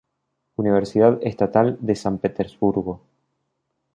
Universidad Estatal de San Petersburgo.